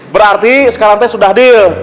berarti sekarang teh sudah deal